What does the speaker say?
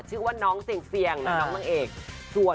ชื่อว่าน้องเสี่ยงเสี่ยงนับนักเอกส่วน